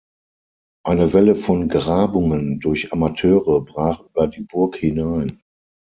Eine Welle von Grabungen durch Amateure brach über die Burg hinein.